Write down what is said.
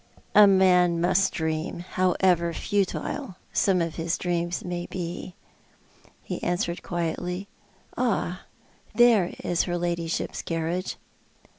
"A man must dream, however futile some of his dreams may be," he answered quietly. "Ah, there is her ladyship's carriage."